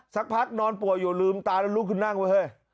สักพักนอนป่วยอยู่ลืมตาแล้วลุกขึ้นนั่งไว้เฮ้ย